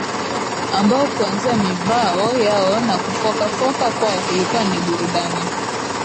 Ambao kuanzia mivao yao na kufoka foka kwao kulikuwa ni burudani